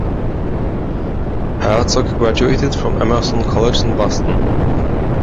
Herzog graduated from Emerson College in Boston.